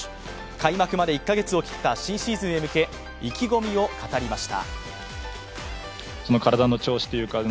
開幕まで１カ月を切った新シーズンへ向け意気込みを語りました。